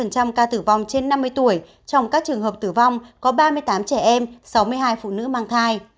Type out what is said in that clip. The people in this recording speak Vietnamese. tám mươi sáu năm ca tử vong trên năm mươi tuổi trong các trường hợp tử vong có ba mươi tám trẻ em sáu mươi hai phụ nữ mang thai